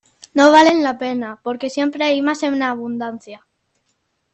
No valen la pena, porque siempre hay más en abundancia.